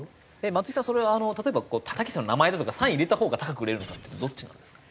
松井さんそれ例えばたけしさんの名前だとかサイン入れたほうが高く売れるのかっていうとどっちなんですか？